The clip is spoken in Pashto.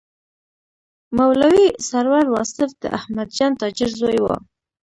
مولوي سرور واصف د احمدجان تاجر زوی و.